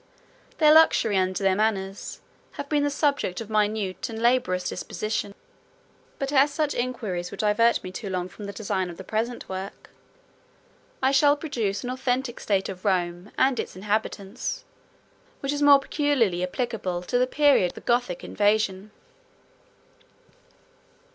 33 Their luxury, and their manners, have been the subject of minute and laborious disposition: but as such inquiries would divert me too long from the design of the present work, I shall produce an authentic state of Rome and its inhabitants, which is more peculiarly applicable to the period of the Gothic invasion.